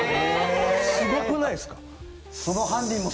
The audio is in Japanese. すごくないですか。